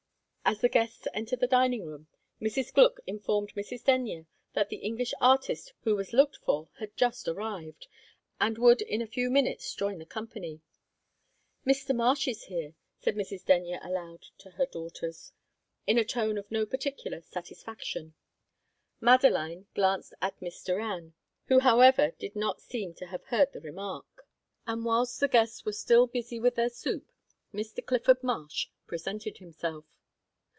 As the guests entered the dining room, Mrs. Gluck informed Mrs. Denyer that the English artist who was looked for had just arrived, and would in a few minutes join the company. "Mr. Marsh is here," said Mrs. Denyer aloud to her daughters, in a tone of no particular satisfaction. Madeline glanced at Miss Doran, who, however, did not seem to have heard the remark. And, whilst the guests were still busy with their soup, Mr. Clifford Marsh presented himself.